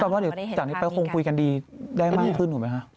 ว่าเดี๋ยวจากนี้ไปคงคุยกันดีได้มากขึ้นถูกไหมคะ